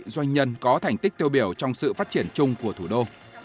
doanh nhân có thành tích tiêu biểu trong sự phát triển chung của thủ đô